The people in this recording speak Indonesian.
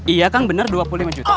iya kang benar dua puluh lima juta